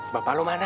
bapak lu mana